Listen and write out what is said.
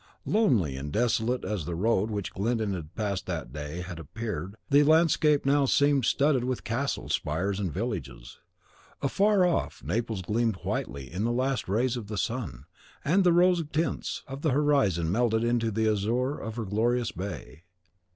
Lonely and desolate as the road which Glyndon had passed that day had appeared, the landscape now seemed studded with castles, spires, and villages. Afar off, Naples gleamed whitely in the last rays of the sun, and the rose tints of the horizon melted into the azure of her glorious bay.